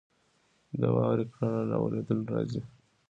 د واورې کړنه له اورېدلو راځي.